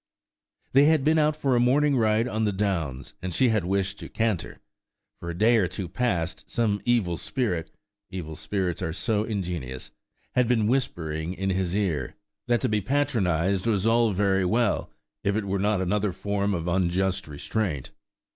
They had been out for a morning ride on the Downs, and she had wished to canter. For a day or two past, some evil spirit (evil spirits are so ingenious) had been whispering in his ear, that to be patronised was all very well, if it were not another form of unjust restraint.